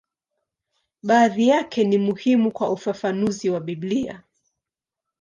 Baadhi yake ni muhimu kwa ufafanuzi wa Biblia.